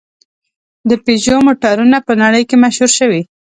د پيژو موټرونه په نړۍ کې مشهور شوي.